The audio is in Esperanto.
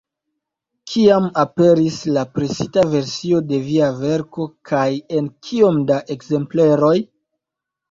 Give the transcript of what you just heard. Kiam aperis la presita versio de via verko, kaj en kiom da ekzempleroj?